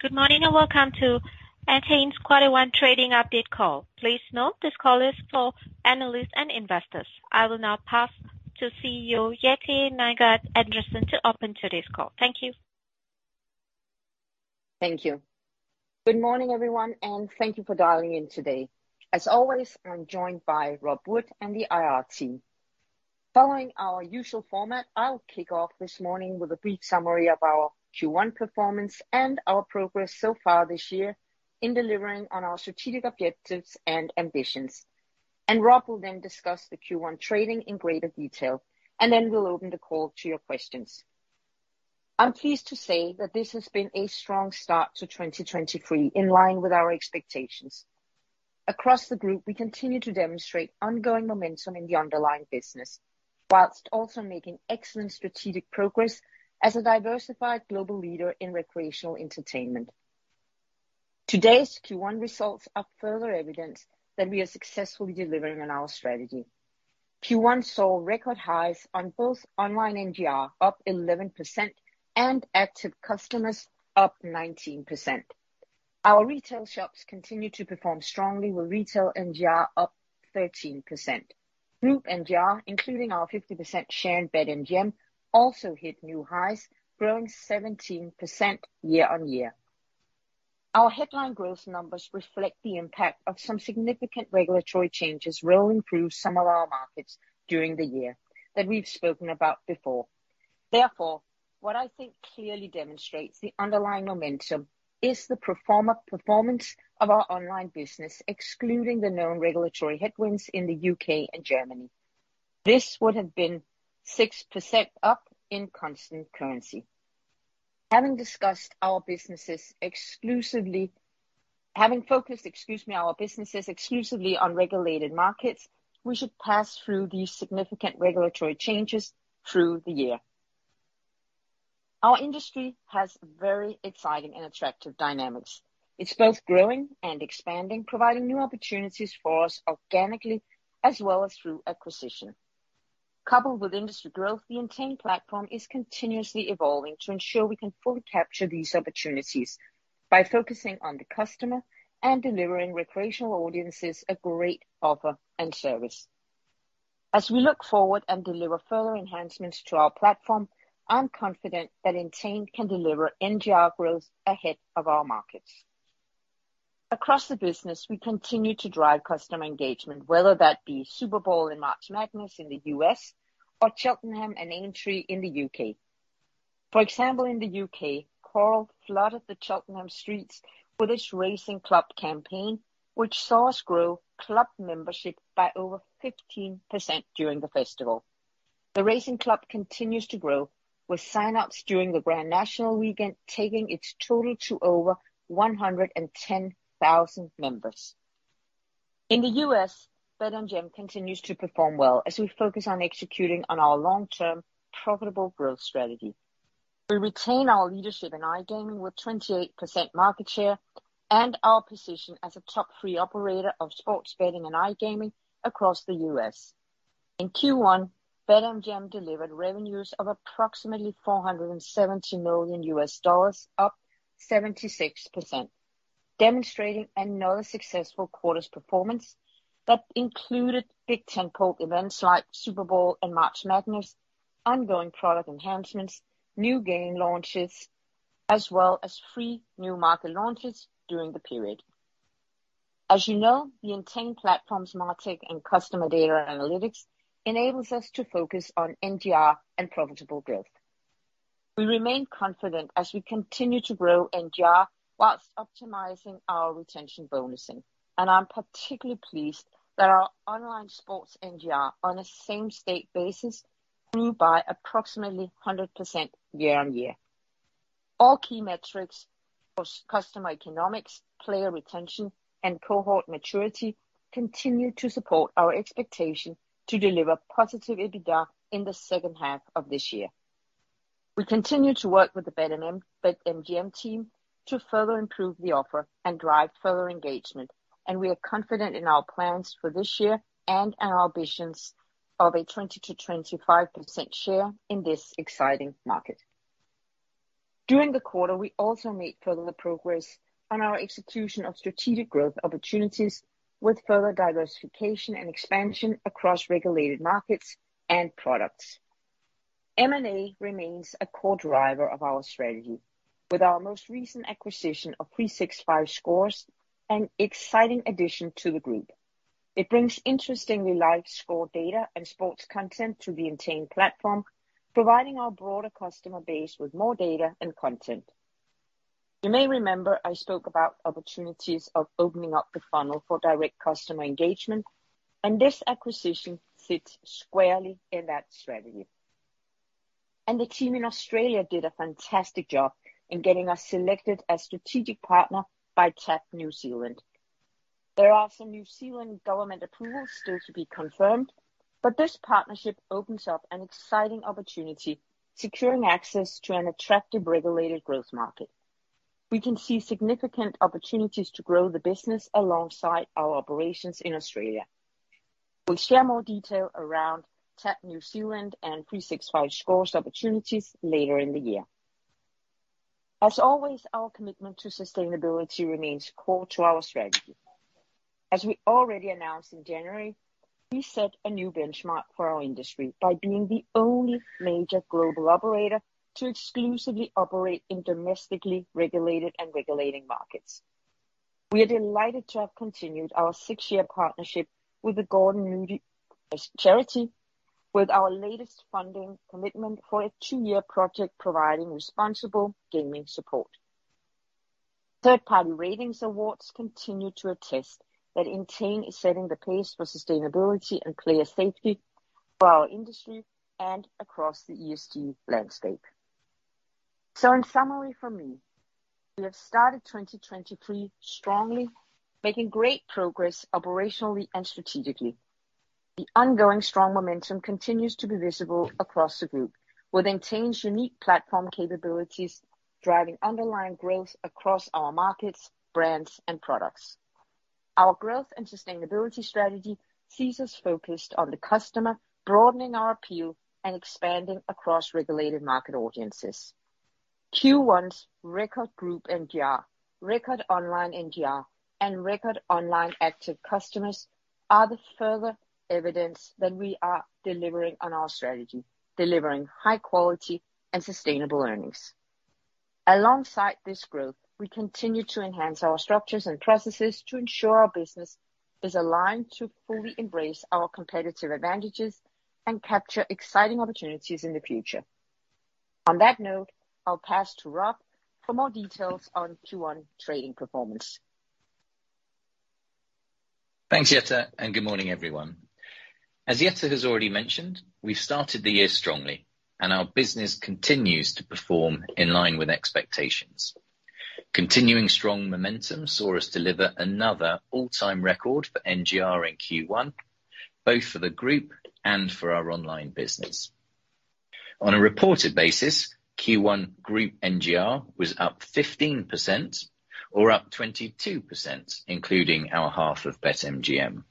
Good morning, and welcome to Entain's Quarter One Trading Update call. Please note this call is for analysts and investors. I will now pass to CEO Jette Nygaard-Andersen to open today's call. Thank you. Thank you. Good morning, everyone. Thank you for dialing in today. As always, I'm joined by Rob Wood and the IR team. Following our usual format, I'll kick off this morning with a brief summary of our Q1 performance and our progress so far this year in delivering on our strategic objectives and ambitions. Rob will then discuss the Q1 trading in greater detail, and then we'll open the call to your questions. I'm pleased to say that this has been a strong start to 2023, in line with our expectations. Across the group, we continue to demonstrate ongoing momentum in the underlying business, while also making excellent strategic progress as a diversified global leader in recreational entertainment. Today's Q1 results are further evidence that we are successfully delivering on our strategy. Q1 saw record highs on both online NGR, up 11%, and active customers, up 19%. Our retail shops continue to perform strongly with retail NGR up 13%. Group NGR, including our 50% share in BetMGM, also hit new highs, growing 17% year-on-year. Our headline growth numbers reflect the impact of some significant regulatory changes will improve some of our markets during the year that we've spoken about before. What I think clearly demonstrates the underlying momentum is the performance of our online business, excluding the known regulatory headwinds in the U.K. and Germany. This would have been 6% up in constant currency. Having focused, excuse me, our businesses exclusively on regulated markets, we should pass through these significant regulatory changes through the year. Our industry has very exciting and attractive dynamics. It's both growing and expanding, providing new opportunities for us organically as well as through acquisition. Coupled with industry growth, the Entain platform is continuously evolving to ensure we can fully capture these opportunities by focusing on the customer and delivering recreational audiences a great offer and service. As we look forward and deliver further enhancements to our platform, I'm confident that Entain can deliver NGR growth ahead of our markets. Across the business, we continue to drive customer engagement, whether that be Super Bowl and March Madness in the U.S. or Cheltenham and Aintree in the U.K.. For example, in the U.K. Coral flooded the Cheltenham streets for this racing club campaign, which saw us grow club membership by over 15% during the festival. The racing club continues to grow, with sign-ups during the Grand National weekend, taking its total to over 110,000 members. In the U.S., BetMGM continues to perform well as we focus on executing on our long-term profitable growth strategy. We retain our leadership in iGaming with 28% market share and our position as a top three operator of sports betting and iGaming across the U.S. In Q1, BetMGM delivered revenues of approximately $470 million, up 76%, demonstrating another successful quarter's performance that included Big Ten core events like Super Bowl and March Madness, ongoing product enhancements, new game launches, as well as three new market launches during the period. As you know, the Entain platform's MarTech and customer data analytics enables us to focus on NGR and profitable growth. We remain confident as we continue to grow NGR whilst optimizing our retention bonusing. I'm particularly pleased that our online sports NGR on a same state basis grew by approximately 100% year-on-year. All key metrics, of customer economics, player retention, and cohort maturity continue to support our expectation to deliver positive EBITDA in the second half of this year. We continue to work with the BetMGM team to further improve the offer and drive further engagement, and we are confident in our plans for this year and our ambitions of a 20%-25% share in this exciting market. During the quarter, we also made further progress on our execution of strategic growth opportunities with further diversification and expansion across regulated markets and products. M&A remains a core driver of our strategy with our most recent acquisition of 365Scores, an exciting addition to the group. It brings interestingly live score data and sports content to the Entain platform, providing our broader customer base with more data and content. You may remember I spoke about opportunities of opening up the funnel for direct customer engagement. This acquisition sits squarely in that strategy. The team in Australia did a fantastic job in getting us selected as strategic partner by TAB New Zealand. There are some New Zealand government approvals still to be confirmed. This partnership opens up an exciting opportunity, securing access to an attractive regulated growth market. We can see significant opportunities to grow the business alongside our operations in Australia. We'll share more detail around TAB New Zealand and 365Scores opportunities later in the year. As always, our commitment to sustainability remains core to our strategy. As we already announced in January, we set a new benchmark for our industry by being the only major global operator to exclusively operate in domestically regulated and regulating markets. We are delighted to have continued our six-year partnership with the Gordon Moody Charity, with our latest funding commitment for a two-year project providing responsible gaming support. Third-party ratings awards continue to attest that Entain is setting the pace for sustainability and player safety for our industry and across the ESG landscape. In summary for me, we have started 2023 strongly, making great progress operationally and strategically. The ongoing strong momentum continues to be visible across the group, with Entain's unique platform capabilities driving underlying growth across our markets, brands and products. Our growth and sustainability strategy sees us focused on the customer, broadening our appeal and expanding across regulated market audiences. Q1's record group NGR, record online NGR, and record online active customers are the further evidence that we are delivering on our strategy, delivering high quality and sustainable earnings. Alongside this growth, we continue to enhance our structures and processes to ensure our business is aligned to fully embrace our competitive advantages and capture exciting opportunities in the future. On that note, I'll pass to Rob for more details on Q1 trading performance. Thanks, Jette, good morning, everyone. As Jette has already mentioned, we started the year strongly, and our business continues to perform in line with expectations. Continuing strong momentum saw us deliver another all-time record for NGR in Q1, both for the group and for our online business. On a reported basis, Q1 group NGR was up 15% or up 22%, including our half of BetMGM.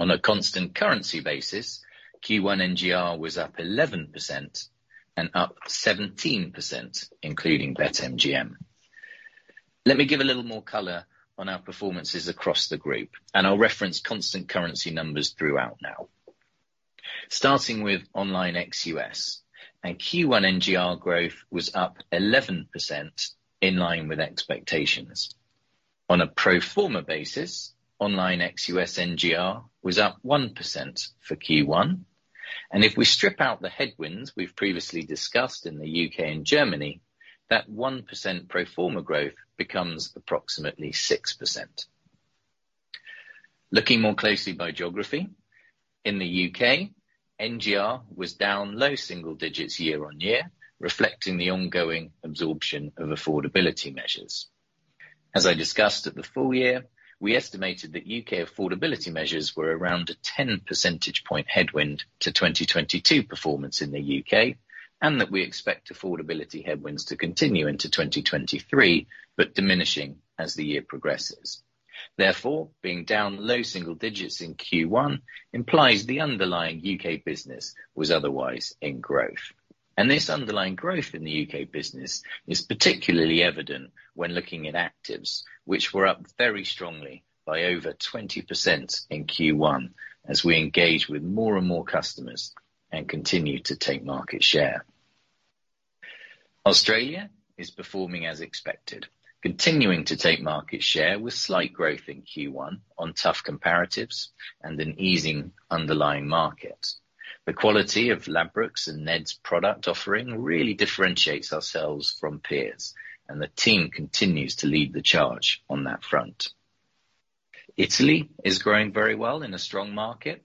On a constant currency basis, Q1 NGR was up 11% and up 17%, including BetMGM. Let me give a little more color on our performances across the group, I'll reference constant currency numbers throughout now. Starting with Online ex-US, Q1 NGR growth was up 11%, in line with expectations. On a pro forma basis, Online ex-US NGR was up 1% for Q1. If we strip out the headwinds we've previously discussed in the U.K. and Germany, that 1% pro forma growth becomes approximately 6%. Looking more closely by geography, in the U.K., NGR was down low single digits year-on-year, reflecting the ongoing absorption of affordability measures. As I discussed at the full year, we estimated that U.K. affordability measures were around a 10 percentage point headwind to 2022 performance in the U.K., and that we expect affordability headwinds to continue into 2023, but diminishing as the year progresses. Therefore, being down low single digits in Q1 implies the underlying UK business was otherwise in growth. This underlying growth in the UK business is particularly evident when looking at actives, which were up very strongly by over 20% in Q1 as we engage with more and more customers and continue to take market share. Australia is performing as expected, continuing to take market share with slight growth in Q1 on tough comparatives and an easing underlying market. The quality of Ladbrokes and Neds product offering really differentiates ourselves from peers. The team continues to lead the charge on that front. Italy is growing very well in a strong market.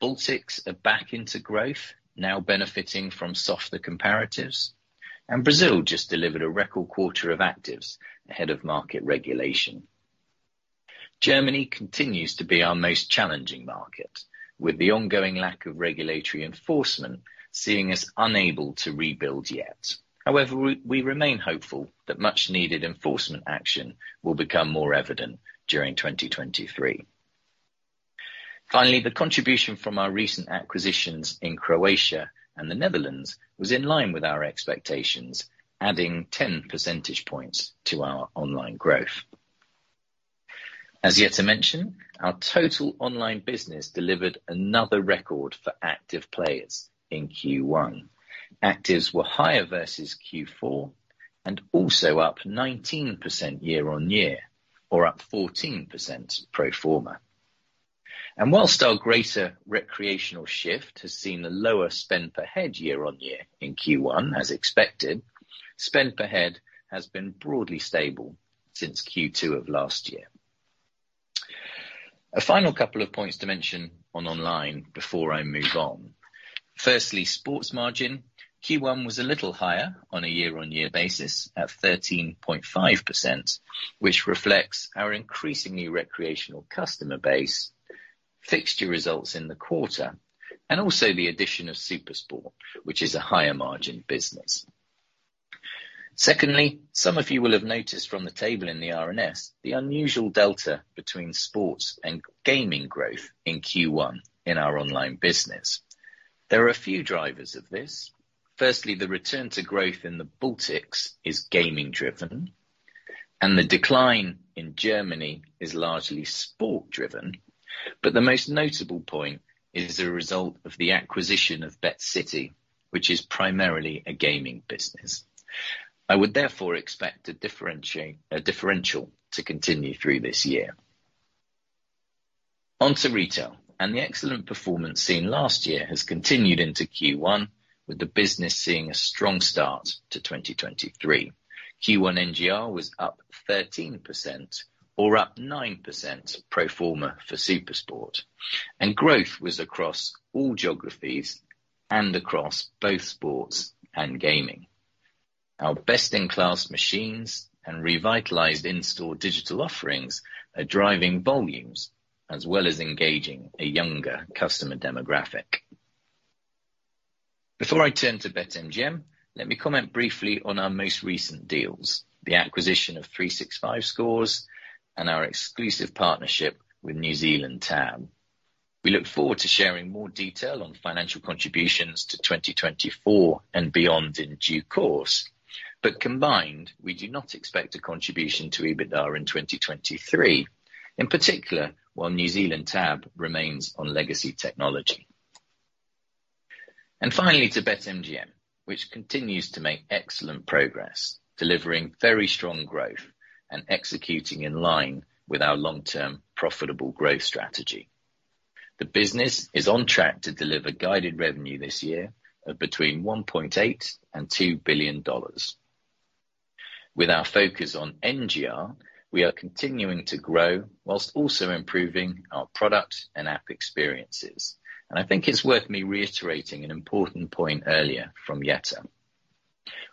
Baltics are back into growth, now benefiting from softer comparatives. Brazil just delivered a record quarter of actives ahead of market regulation. Germany continues to be our most challenging market, with the ongoing lack of regulatory enforcement seeing us unable to rebuild yet. However, we remain hopeful that much-needed enforcement action will become more evident during 2023. Finally, the contribution from our recent acquisitions in Croatia and the Netherlands was in line with our expectations, adding 10 percentage points to our online growth. As Jette mentioned, our total online business delivered another record for active players in Q1. Actives were higher versus Q4 and also up 19% year-on-year, or up 14% pro forma. Whilst our greater recreational shift has seen a lower spend per head year-on-year in Q1 as expected, spend per head has been broadly stable since Q2 of last year. A final couple of points to mention on online before I move on. Firstly, sports margin. Q1 was a little higher on a year-on-year basis at 13.5%, which reflects our increasingly recreational customer base, fixture results in the quarter, and also the addition of SuperSport, which is a higher margin business. Secondly, some of you will have noticed from the table in the RNS, the unusual delta between sports and iGaming growth in Q1 in our online business. There are a few drivers of this. Firstly, the return to growth in the Baltics is gaming driven, and the decline in Germany is largely sport driven. The most notable point is the result of the acquisition of BetCity, which is primarily a gaming business. I would therefore expect a differential to continue through this year. On to retail, the excellent performance seen last year has continued into Q1, with the business seeing a strong start to 2023. Q1 NGR was up 13%, or up 9% pro forma for SuperSport. Growth was across all geographies and across both sports and gaming. Our best-in-class machines and revitalized in-store digital offerings are driving volumes, as well as engaging a younger customer demographic. Before I turn to BetMGM, let me comment briefly on our most recent deals, the acquisition of 365Scores and our exclusive partnership with TAB New Zealand. We look forward to sharing more detail on financial contributions to 2024 and beyond in due course. Combined, we do not expect a contribution to EBITDA in 2023, in particular, while New Zealand TAB remains on legacy technology. Finally, to BetMGM, which continues to make excellent progress, delivering very strong growth and executing in line with our long-term profitable growth strategy. The business is on track to deliver guided revenue this year of between $1.8 billion and $2 billion. With our focus on NGR, we are continuing to grow whilst also improving our product and app experiences. I think it's worth me reiterating an important point earlier from Jette.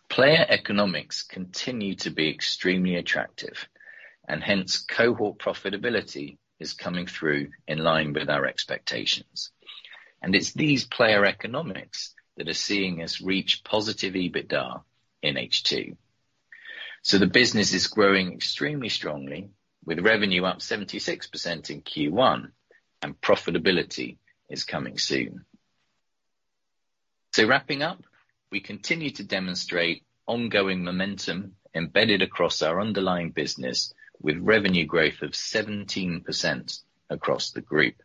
Player economics continue to be extremely attractive, hence cohort profitability is coming through in line with our expectations. It's these player economics that are seeing us reach positive EBITDA in H2. The business is growing extremely strongly, with revenue up 76% in Q1, and profitability is coming soon. Wrapping up, we continue to demonstrate ongoing momentum embedded across our underlying business with revenue growth of 17% across the group.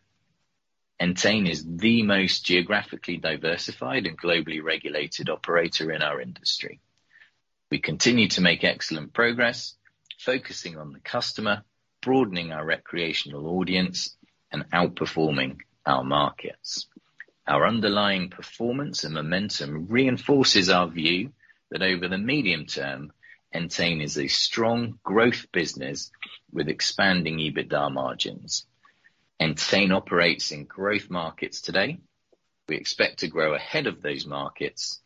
Entain is the most geographically diversified and globally regulated operator in our industry. We continue to make excellent progress focusing on the customer, broadening our recreational audience, and outperforming our markets. Our underlying performance and momentum reinforces our view that over the medium term, Entain is a strong growth business with expanding EBITDA margins. Entain operates in growth markets today. We expect to grow ahead of those markets,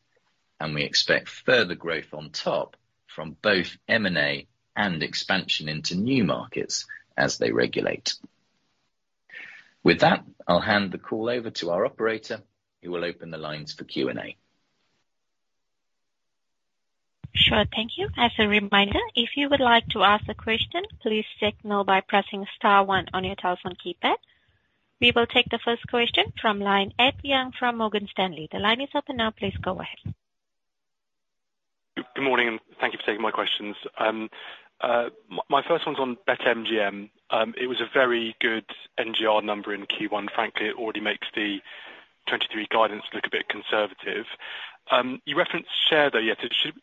and we expect further growth on top from both M&A and expansion into new markets as they regulate. With that, I'll hand the call over to our operator, who will open the lines for Q&A. Sure. Thank you. As a reminder, if you would like to ask a question, please signal by pressing star one on your telephone keypad. We will take the first question from line Ed Young from Morgan Stanley. The line is open now. Please go ahead. Good morning, thank you for taking my questions. My first one's on BetMGM. It was a very good NGR number in Q1. Frankly, it already makes the 23 guidance look a bit conservative. You referenced share though, yeah,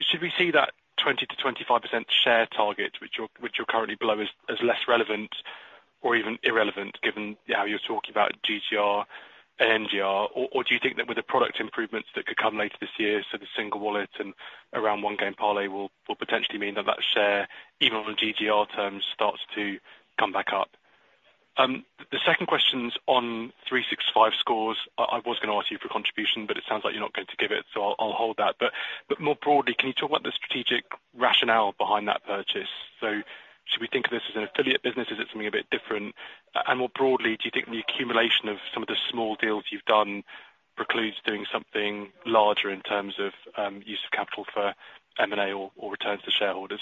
should we see that 20-25% share target, which you're currently below as less relevant or even irrelevant given how you're talking about GGR and NGR? Or do you think that with the product improvements that could come later this year, the single wallet and around One Game Parlay will potentially mean that share, even on GGR terms, starts to come back up? The second question's on 365Scores. I was gonna ask you for contribution, but it sounds like you're not going to give it, so I'll hold that. More broadly, can you talk about the strategic rationale behind that purchase? Should we think of this as an affiliate business? Is it something a bit different? More broadly, do you think the accumulation of some of the small deals you've done precludes doing something larger in terms of use of capital for M&A or returns to shareholders?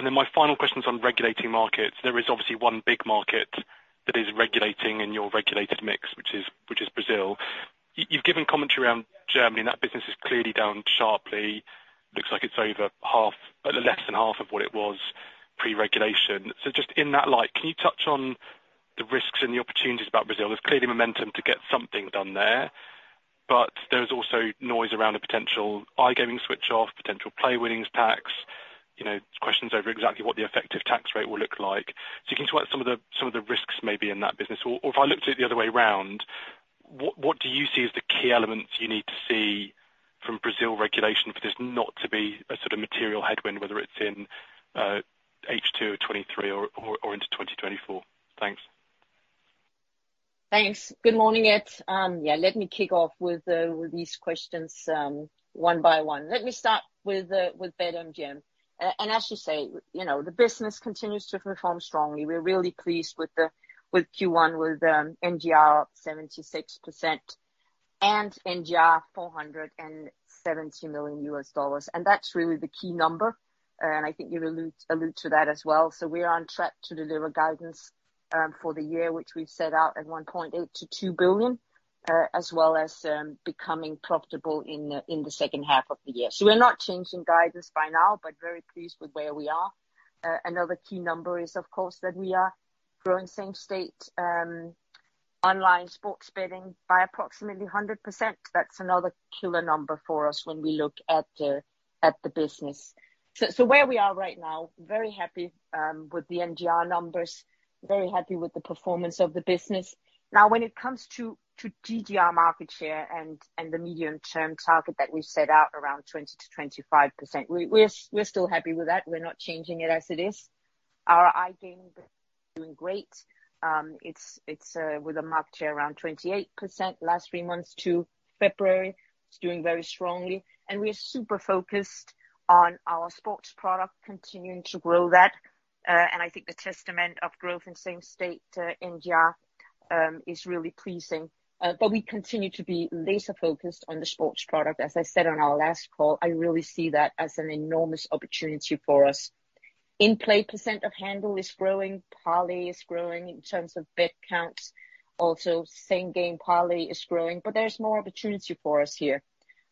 My final question's on regulating markets. There is obviously one big market that is regulating in your regulated mix, which is Brazil. You've given commentary around Germany, and that business is clearly down sharply. Looks like it's over half, less than half of what it was pre-regulation. Just in that light, can you touch on the risks and the opportunities about Brazil? There's clearly momentum to get something done there, but there's also noise around a potential iGaming switch off, potential player winnings tax, you know, questions over exactly what the effective tax rate will look like. Can you talk about some of the risks maybe in that business? If I looked at it the other way around, what do you see as the key elements you need to see from Brazil regulation for this not to be a sort of material headwind, whether it's in H2 or 2023 or into 2024? Thanks. Thanks. Good morning, Ed. Yeah, let me kick off with these questions one by one. Let me start with BetMGM. As you say, you know, the business continues to perform strongly. We're really pleased with Q1, with NGR up 76%. And NGR $470 million. That's really the key number, and I think you allude to that as well. We are on track to deliver guidance for the year, which we've set out at $1.8 billion-$2 billion, as well as becoming profitable in the second half of the year. We're not changing guidance by now, but very pleased with where we are. Another key number is, of course, that we are growing same state online sports betting by approximately 100%. That's another killer number for us when we look at the business. Where we are right now, very happy with the NGR numbers, very happy with the performance of the business. When it comes to GGR market share and the medium-term target that we set out around 20%-25%, we're still happy with that. We're not changing it as it is. Our iGaming business is doing great. It's with a market share around 28% last three months to February. It's doing very strongly. We are super focused on our sports product continuing to grow that. I think the testament of growth in same state NGR is really pleasing. We continue to be laser focused on the sports product. As I said on our last call, I really see that as an enormous opportunity for us. In-play percent of handle is growing. Parlay is growing in terms of bet counts. Also, same game parlay is growing, there's more opportunity for us here.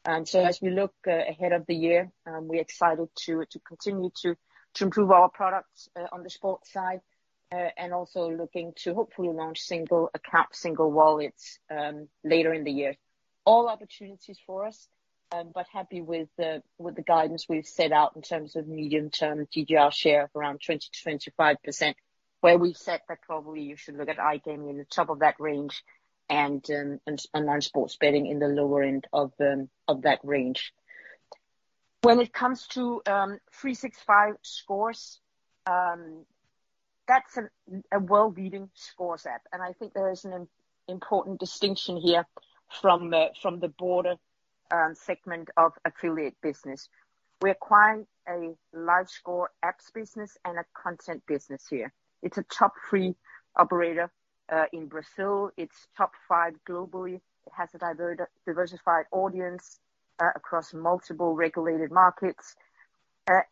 As we look ahead of the year, we're excited to continue to improve our products on the sports side, and also looking to hopefully launch single account, single wallets later in the year. All opportunities for us, happy with the guidance we've set out in terms of medium-term GGR share of around 20%-25%, where we've said that probably you should look at iGaming in the top of that range and online sports betting in the lower end of that range. When it comes to 365Scores, that's a world-leading scores app, and I think there is an important distinction here from the broader segment of affiliate business. We acquired a large score apps business and a content business here. It's a top 3 operator in Brazil. It's top 5 globally. It has a diversified audience across multiple regulated markets.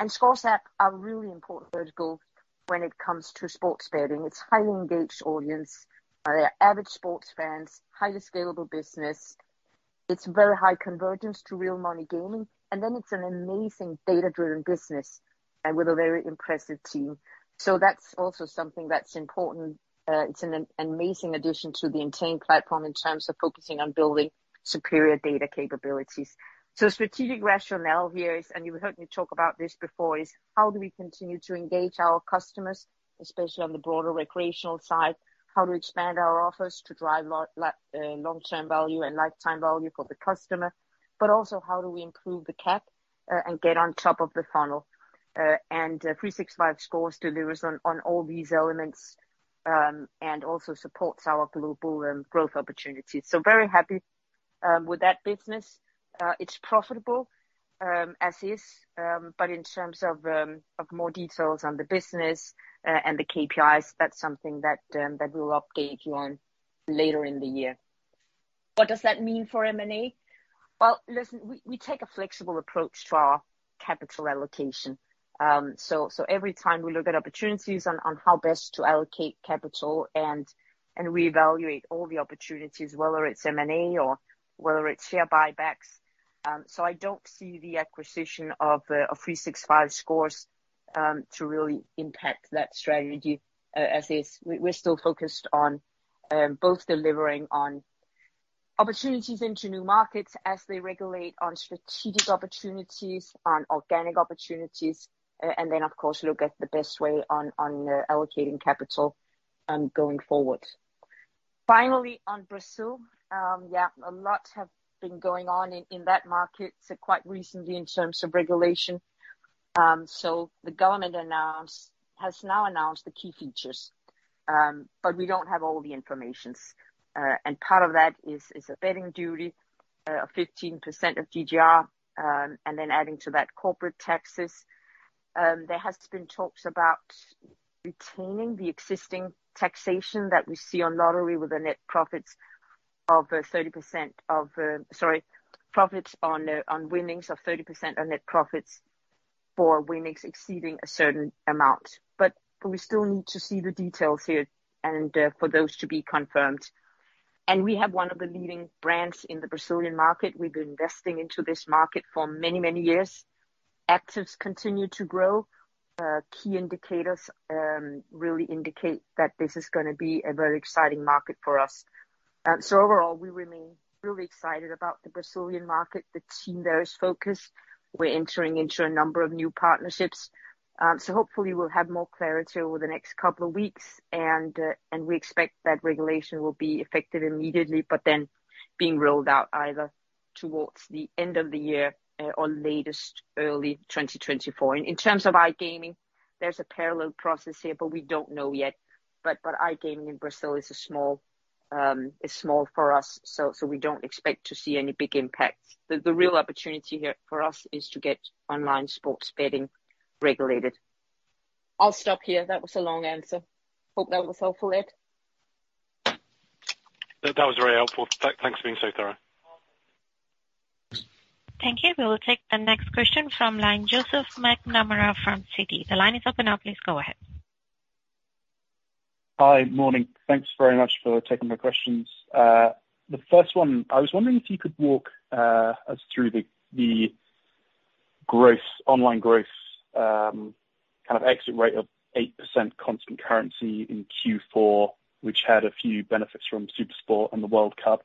scores app are really important vertical when it comes to sports betting. It's highly engaged audience. They are average sports fans, highly scalable business. It's very high convergence to real money gaming, it's an amazing data-driven business and with a very impressive team. That's also something that's important. It's an amazing addition to the Entain platform in terms of focusing on building superior data capabilities. Strategic rationale here is, and you heard me talk about this before, is how do we continue to engage our customers, especially on the broader recreational side? How to expand our offers to drive long-term value and lifetime value for the customer? Also how do we improve the CAP and get on top of the funnel? 365Scores delivers on all these elements, and also supports our global growth opportunities. Very happy with that business. It's profitable as is, but in terms of more details on the business and the KPIs, that's something that we'll update you on later in the year. What does that mean for M&A? Well, listen, we take a flexible approach to our capital allocation. Every time we look at opportunities on how best to allocate capital and reevaluate all the opportunities, whether it's M&A or whether it's share buybacks. I don't see the acquisition of 365Scores to really impact that strategy as is. We're still focused on both delivering on opportunities into new markets as they regulate on strategic opportunities, on organic opportunities, and then of course, look at the best way on allocating capital going forward. Finally, on Brazil, yeah, a lot have been going on in that market quite recently in terms of regulation. The government has now announced the key features, but we don't have all the information. Part of that is a betting duty of 15% of GGR, then adding to that corporate taxes. There has been talk about retaining the existing taxation that we see on lottery with the net profits of 30% of profits on winnings of 30% are net profits for winnings exceeding a certain amount. We still need to see the details here and for those to be confirmed. We have one of the leading brands in the Brazilian market. We've been investing into this market for many, many years. Activities continue to grow. Key indicators really indicate that this is gonna be a very exciting market for us. Overall, we remain really excited about the Brazilian market. The team there is focused. We're entering into a number of new partnerships. Hopefully we'll have more clarity over the next couple of weeks, and we expect that regulation will be effective immediately, but then being rolled out either towards the end of the year or latest early 2024. In terms of iGaming, there's a parallel process here, we don't know yet. iGaming in Brazil is small for us, so we don't expect to see any big impact. The real opportunity here for us is to get online sports betting regulated. I'll stop here. That was a long answer. Hope that was helpful, Ed. That was very helpful. Thanks for being so thorough. Thank you. We will take the next question from line, Joseph McNamara from Citi. The line is open now, please go ahead. Hi. Morning. Thanks very much for taking my questions. The first one, I was wondering if you could walk us through the growth, online growth, kind of exit rate of 8% constant currency in Q4, which had a few benefits from SuperSport and the World Cup,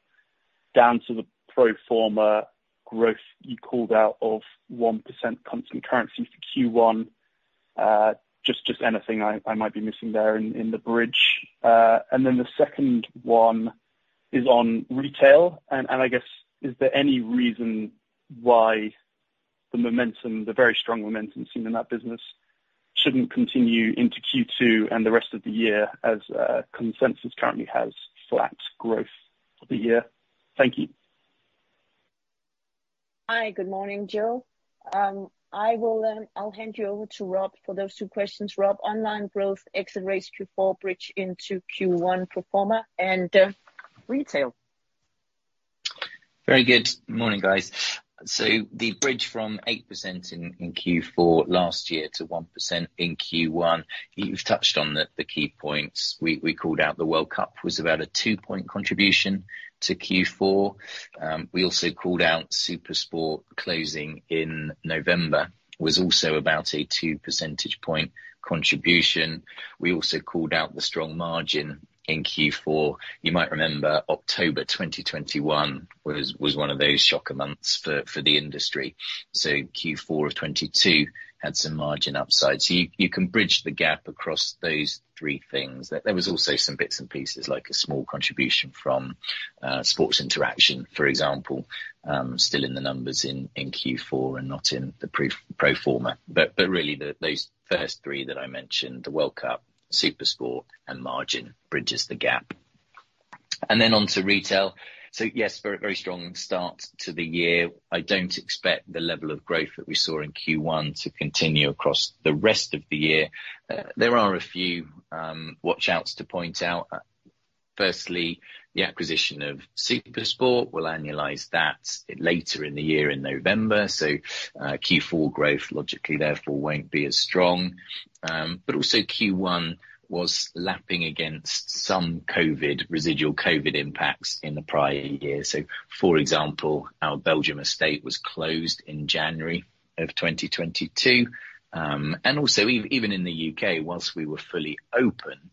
down to the pro forma growth you called out of 1% constant currency for Q1. Just anything I might be missing there in the bridge. And then the second one is on retail and I guess is there any reason why the momentum, the very strong momentum seen in that business shouldn't continue into Q2 and the rest of the year as consensus currently has flat growth for the year? Thank you. Hi, good morning, Joe. I'll hand you over to Rob for those two questions. Rob, online growth exit rates Q4 bridge into Q1 pro forma and retail. Very good. Morning, guys. The bridge from 8% in Q4 last year to 1% in Q1, you've touched on the key points. We called out the World Cup was about a 2-point contribution to Q4. We also called out SuperSport closing in November, was also about a 2 percentage point contribution. We also called out the strong margin in Q4. You might remember October 2021 was one of those shocker months for the industry. Q4 of 22 had some margin upside. You can bridge the gap across those three things. There was also some bits and pieces like a small contribution from Sports Interaction, for example, still in the numbers in Q4 and not in the pro forma. Really, those first three that I mentioned, the World Cup, SuperSport, and March Madness bridges the gap. On to retail. Yes, very strong start to the year. I don't expect the level of growth that we saw in Q1 to continue across the rest of the year. There are a few watch-outs to point out. Firstly, the acquisition of SuperSport. We'll annualize that later in the year in November. Q4 growth logically therefore won't be as strong. Also Q1 was lapping against some residual COVID impacts in the prior year. For example, our Belgium estate was closed in January of 2022. Also even in the U.K., whilst we were fully open,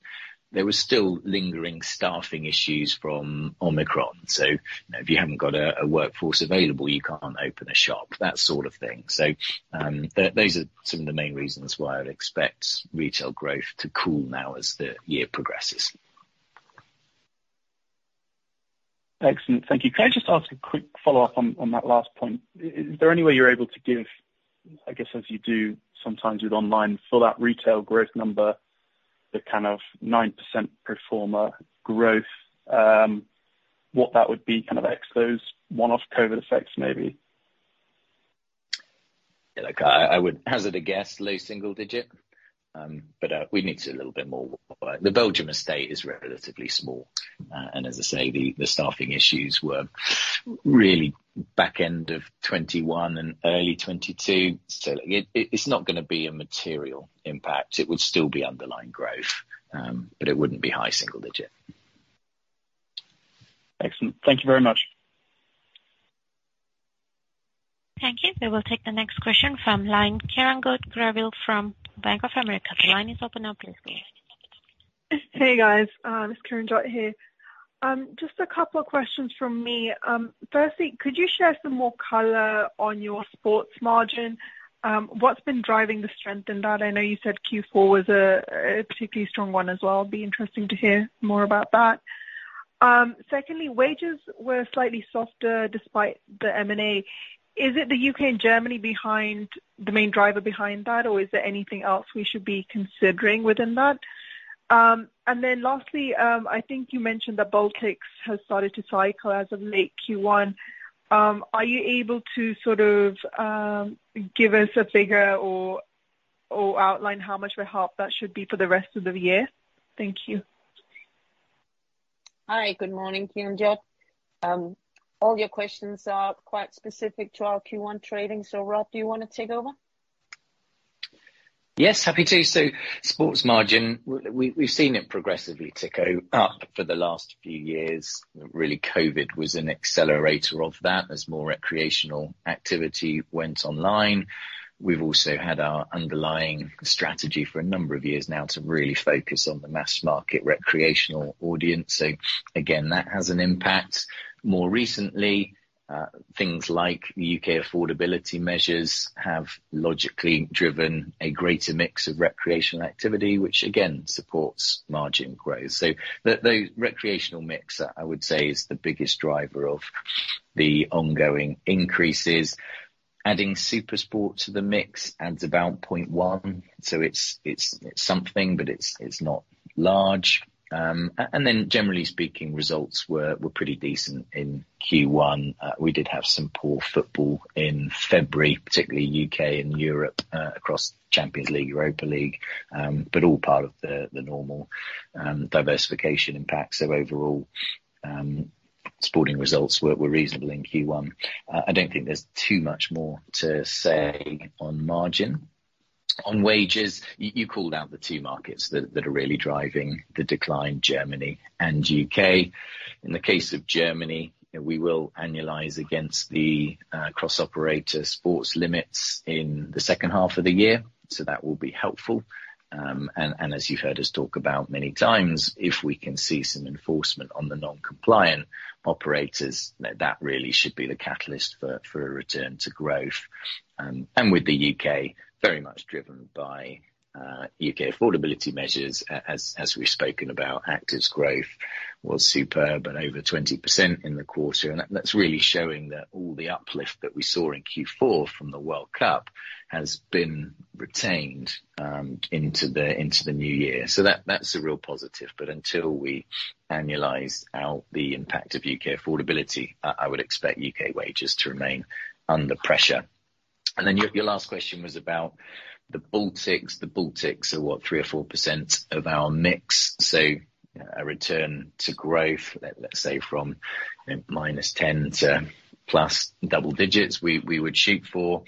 there was still lingering staffing issues from Omicron. You know, if you haven't got a workforce available, you can't open a shop, that sort of thing. Those are some of the main reasons why I would expect retail growth to cool now as the year progresses. Excellent. Thank you. Can I just ask a quick follow-up on that last point? Is there any way you're able to give, I guess as you do sometimes with online, fill out retail growth number, the kind of 9% pro forma growth, what that would be kind of ex those one-off COVID effects maybe? Yeah, look, I would hazard a guess, low single digit. We'd need to do a little bit more work. The Belgium estate is relatively small. As I say, the staffing issues were really back end of 2021 and early 2022. It's not gonna be a material impact. It would still be underlying growth, but it wouldn't be high single digit. Excellent. Thank you very much. Thank you. We will take the next question from line, Kiranjot Grewal from Bank of America. The line is open now, please. Hey, guys. This is Kiranjot Grewal here. Just a couple of questions from me. Firstly, could you share some more color on your sports margin? What's been driving the strength in that? I know you said Q4 was a particularly strong one as well. It'd be interesting to hear more about that. Secondly, wages were slightly softer despite the M&A. Is it the U.K. and Germany the main driver behind that, or is there anything else we should be considering within that? Lastly, I think you mentioned that Baltics has started to cycle as of late Q1. Are you able to sort of give us a figure or outline how much of a help that should be for the rest of the year? Thank you. Hi. Good morning, Kiranjot. All your questions are quite specific to our Q1 trading. Rob Wood, do you wanna take over? Yes, happy to. Sports margin, we've seen it progressively tick up for the last few years. Really COVID was an accelerator of that as more recreational activity went online. We've also had our underlying strategy for a number of years now to really focus on the mass market recreational audience. Again, that has an impact. More recently, things like the U.K. affordability measures have logically driven a greater mix of recreational activity, which again supports margin growth. The recreational mix, I would say is the biggest driver of the ongoing increases. Adding SuperSport to the mix adds about 0.1, it's something, it's not large. Generally speaking, results were pretty decent in Q1. We did have some poor football in February, particularly U.K. and Europe, across Champions League, Europa League, but all part of the normal diversification impact. Sporting results were reasonable in Q1. I don't think there's too much more to say on margin. On wages, you called out the two markets that are really driving the decline, Germany and U.K.. In the case of Germany, we will annualize against the cross-operator sports limits in the second half of the year, so that will be helpful. And as you've heard us talk about many times, if we can see some enforcement on the non-compliant operators, that really should be the catalyst for a return to growth. With the U.K. very much driven by UK affordability measures, as we've spoken about, actives growth was superb and over 20% in the quarter. That's really showing that all the uplift that we saw in Q4 from the World Cup has been retained into the new year. That's a real positive. Until we annualize out the impact of UK affordability, I would expect UK wages to remain under pressure. Your last question was about the Baltics. The Baltics are what, 3% or 4% of our mix. A return to growth, let's say from -10 to +double digits, we would shoot for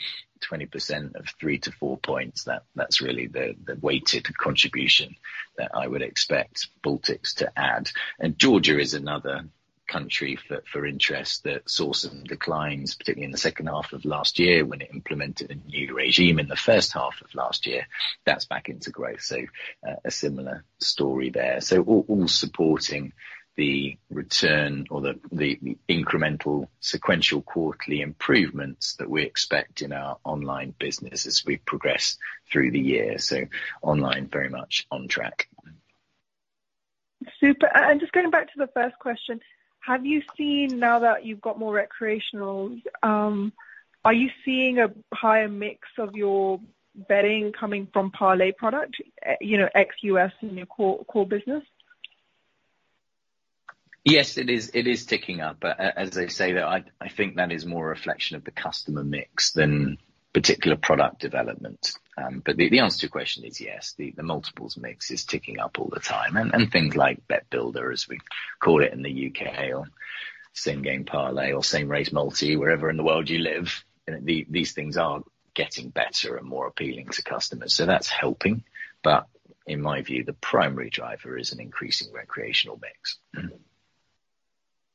20% of 3-4 points. That's really the weighted contribution that I would expect Baltics to add. Georgia is another country for interest that saw some declines, particularly in the second half of last year, when it implemented a new regime in the first half of last year. That's back into growth. A similar story there. All supporting the return or the incremental sequential quarterly improvements that we expect in our online business as we progress through the year. Online, very much on track. Super. Just going back to the first question, have you seen? Now that you've got more recreational, are you seeing a higher mix of your betting coming from parlay product, you know, ex-US in your core business? Yes, it is. It is ticking up. As I say, I think that is more a reflection of the customer mix than particular product development. The answer to your question is yes, the multiples mix is ticking up all the time. Things like Bet Builder, as we call it in the U.K., or Same Game Parlay or Same Race Multi, wherever in the world you live, these things are getting better and more appealing to customers. That's helping. In my view, the primary driver is an increasing recreational mix.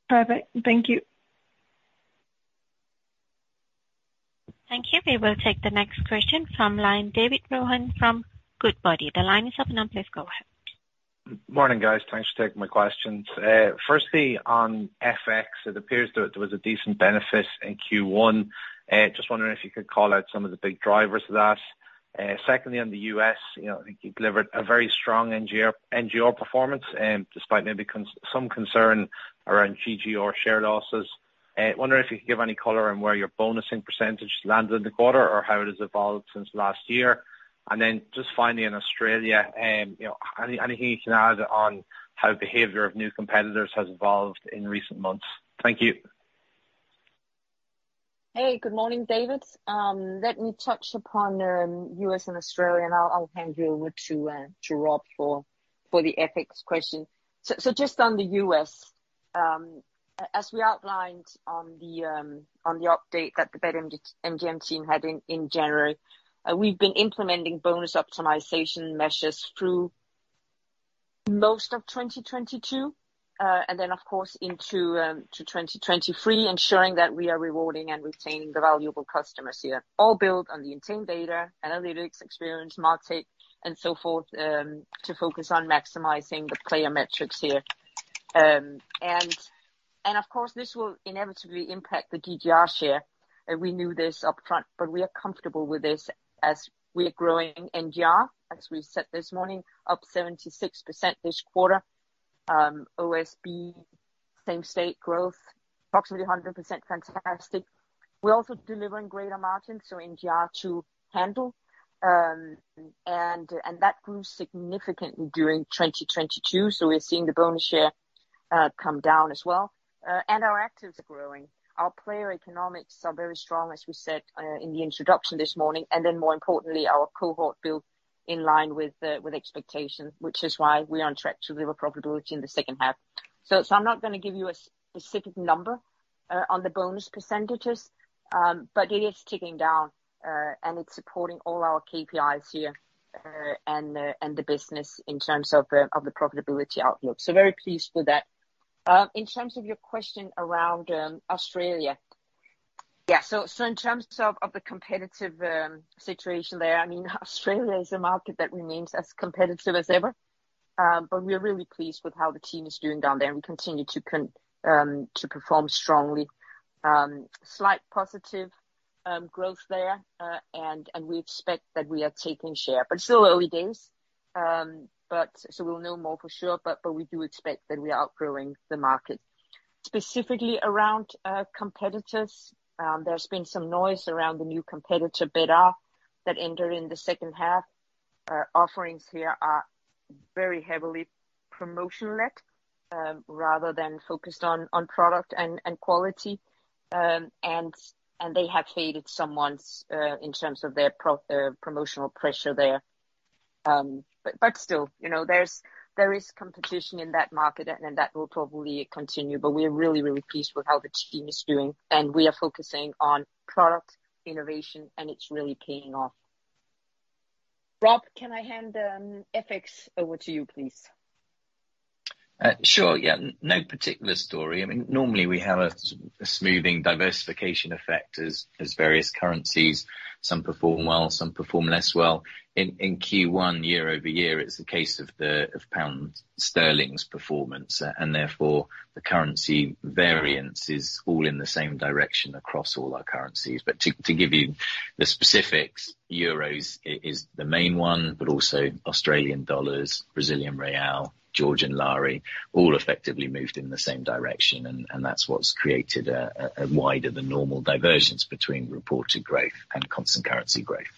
Perfect. Thank you. Thank you. We will take the next question from line, David Brohan from Goodbody. The line is open now, please go ahead. Morning, guys. Thanks for taking my questions. Firstly on FX, it appears that there was a decent benefit in Q1. Just wondering if you could call out some of the big drivers of that. Secondly, on the U.S., you know, I think you delivered a very strong NGR performance despite maybe some concern around GGR share losses. Wondering if you could give any color on where your bonusing percentage landed in the quarter or how it has evolved since last year. Just finally in Australia, you know, anything you can add on how behavior of new competitors has evolved in recent months. Thank you. Hey, good morning, David Brohan. Let me touch upon U.S. and Australia, and I'll hand you over to Rob Wood for the FX question. Just on the U.S., as we outlined on the update that the BetMGM team had in January, we've been implementing bonus optimization measures through most of 2022, and then of course into 2023, ensuring that we are rewarding and retaining the valuable customers here. All built on the internal data, analytics experience, MarTech and so forth, to focus on maximizing the player metrics here. And of course, this will inevitably impact the GGR share. We knew this upfront, but we are comfortable with this as we are growing NGR, as we said this morning, up 76% this quarter. OSB same state growth, approximately 100%. Fantastic. We're also delivering greater margins, so NGR to handle. That grew significantly during 2022, so we're seeing the bonus share come down as well. Our actives are growing. Our player economics are very strong, as we said in the introduction this morning. More importantly, our cohort built in line with expectations, which is why we're on track to deliver profitability in the second half. I'm not gonna give you a specific number on the bonus percentages, but it is ticking down and it's supporting all our KPIs here and the business in terms of the profitability outlook. Very pleased with that. In terms of your question around Australia. Yeah. In terms of the competitive situation there, I mean, Australia is a market that remains as competitive as ever, but we are really pleased with how the team is doing down there, and we continue to perform strongly. Slight positive growth there. And we expect that we are taking share, but still early days. We'll know more for sure, but we do expect that we are outgrowing the market. Specifically around competitors, there's been some noise around the new competitor Betr that entered in the second half. Our offerings here are very heavily promotion-led, rather than focused on product and quality. They have faded some months in terms of their promotional pressure there. Still, you know, there is competition in that market and that will probably continue, but we're really pleased with how the team is doing, and we are focusing on product innovation, and it's really paying off. Rob, can I hand FX over to you, please? Sure, yeah. No particular story. I mean, normally we have a smoothing diversification effect as various currencies, some perform well, some perform less well. In Q1 year-over-year, it's the case of pound sterling's performance. Therefore the currency variance is all in the same direction across all our currencies. To give you the specifics, euros is the main one, but also Australian dollars, Brazilian real, Georgian lari, all effectively moved in the same direction. That's what's created a wider than normal divergence between reported growth and constant currency growth.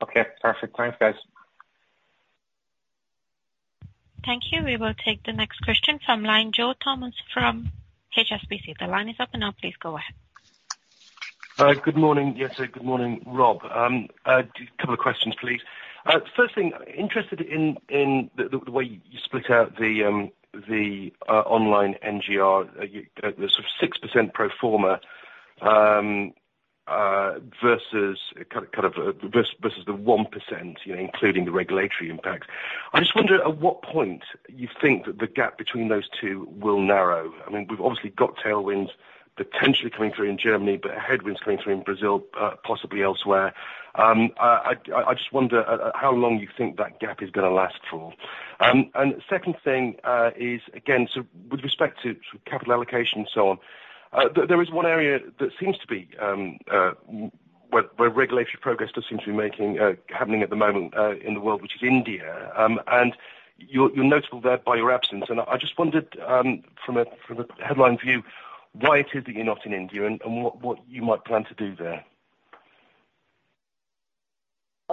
Okay, perfect. Thanks, guys. Thank you. We will take the next question from line, Joe Thomas from HSBC. The line is open now, please go ahead. Good morning, Jette. Good morning, Rob. couple of questions, please. First thing, interested in the way you split out the online NGR. the sort of 6% pro forma versus kind of, versus the 1%, you know, including the regulatory impact. I just wonder at what point you think that the gap between those two will narrow. I mean, we've obviously got tailwinds potentially coming through in Germany, but headwinds coming through in Brazil, possibly elsewhere. I just wonder how long you think that gap is gonna last for. Second thing is again, so with respect to sort of capital allocation and so on, there is one area that seems to be where regulatory progress does seem to be making, happening at the moment, in the world, which is India. You're notable there by your absence. I just wondered, from a headline view, why it is that you're not in India and what you might plan to do there.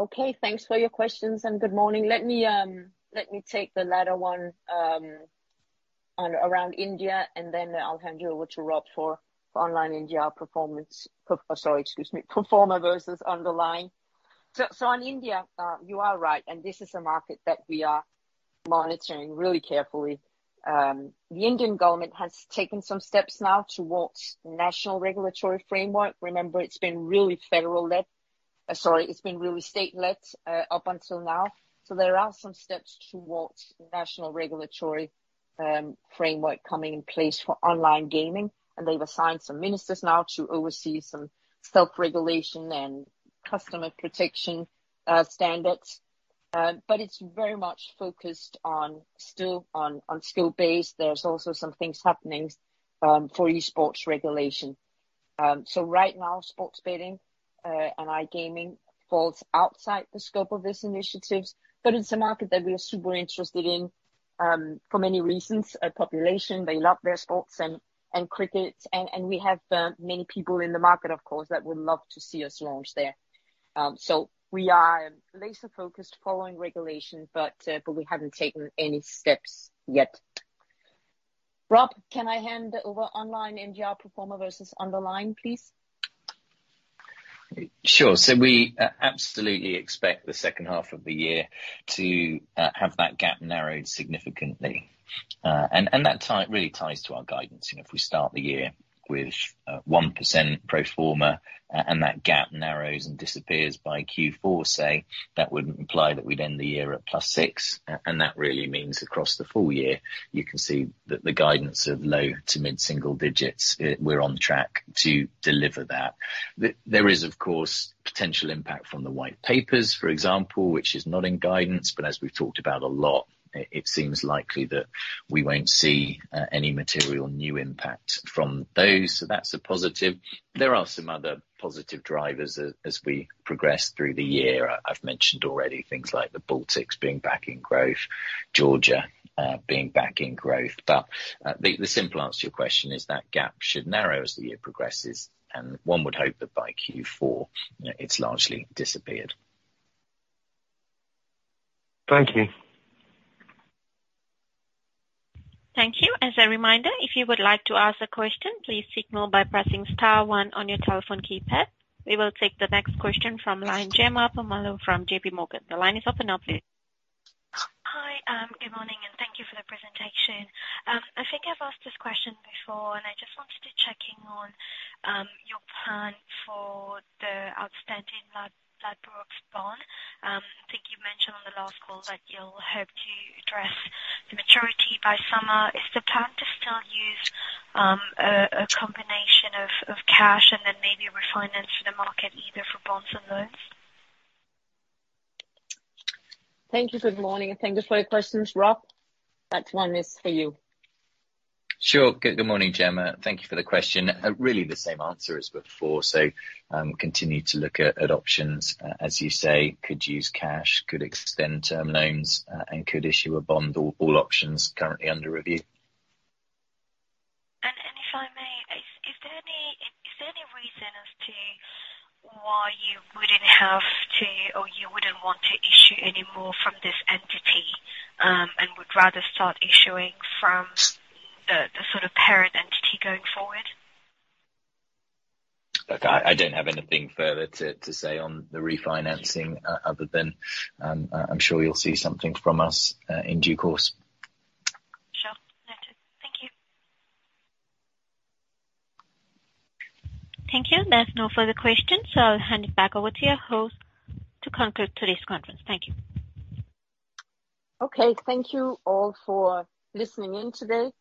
Okay, thanks for your questions, good morning. Let me take the latter one on around India, then I'll hand you over to Rob for online NGR performance. Pro forma versus underlying. On India, you are right, this is a market that we are monitoring really carefully. The Indian government has taken some steps now towards national regulatory framework. Remember, it's been really state led up until now. There are some steps towards national regulatory framework coming in place for online gaming. They've assigned some ministers now to oversee some self-regulation and customer protection standards. It's very much focused on still, on skill base. There's also some things happening for e-sports regulation. Right now, sports betting and iGaming falls outside the scope of these initiatives, but it's a market that we are super interested in for many reasons. Population, they love their sports and cricket and we have many people in the market, of course, that would love to see us launch there. We are laser-focused following regulation, but we haven't taken any steps yet. Rob, can I hand over online NGR pro forma versus underlying, please? Sure. We absolutely expect the second half of the year to have that gap narrowed significantly. That really ties to our guidance. You know, if we start the year with 1% pro forma and that gap narrows and disappears by Q4 say, that would imply that we'd end the year at +6%. That really means across the full year, you can see that the guidance of low to mid-single digits, we're on track to deliver that. There is, of course, potential impact from the white paper, for example, which is not in guidance, but as we've talked about a lot, it seems likely that we won't see any material new impact from those. That's a positive. There are some other positive drivers as we progress through the year. I've mentioned already things like the Baltics being back in growth, Georgia, being back in growth. The simple answer to your question is that gap should narrow as the year progresses, and one would hope that by Q4, you know, it's largely disappeared. Thank you. Thank you. As a reminder, if you would like to ask a question, please signal by pressing star one on your telephone keypad. We will take the next question from line, Jemma Permalloo from JPMorgan. The line is open now, please. Hi, good morning, and thank you for the presentation. I think I've asked this question before, and I just wanted to checking on your plan for the outstanding Ladbrokes bond. I think you mentioned on the last call that you'll hope to address the maturity by summer. Is the plan to still use a combination of cash and then maybe refinance the market either for bonds or loans? Thank you. Good morning, and thank you for your questions. Rob, that one is for you. Sure. Good morning, Jemma. Thank you for the question. Really the same answer as before. Continue to look at options, as you say, could use cash, could extend term loans, could issue a bond. All options currently under review. If I may, is there any reason as to why you wouldn't have to or you wouldn't want to issue any more from this entity, would rather start issuing from the sort of parent entity going forward? Look, I don't have anything further to say on the refinancing other than, I'm sure you'll see something from us in due course. Sure. Noted. Thank you. Thank you. There's no further questions. I'll hand it back over to your host to conclude today's conference. Thank you. Okay. Thank you all for listening in today.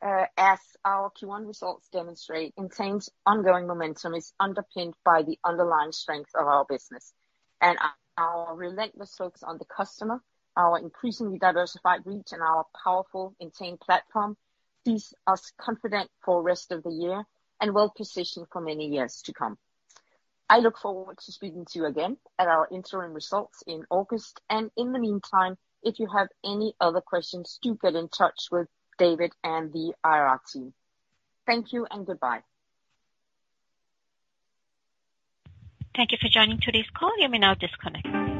As our Q1 results demonstrate, Entain's ongoing momentum is underpinned by the underlying strength of our business. Our relentless focus on the customer, our increasingly diversified reach, and our powerful Entain platform leaves us confident for rest of the year and well-positioned for many years to come. I look forward to speaking to you again at our interim results in August. In the meantime, if you have any other questions, do get in touch with David and the IR team. Thank you and goodbye. Thank you for joining today's call. You may now disconnect.